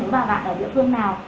nếu mà bạn ở địa phương nào